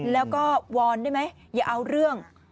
แล้วก็วอนได้ไหมอย่าเอาเรื่อง